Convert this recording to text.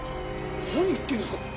何言ってるんですか？